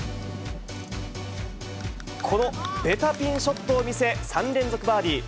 このベタピンショットを見せ、３連続バーディー。